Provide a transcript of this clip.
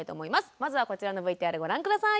まずはこちらのＶＴＲご覧下さい。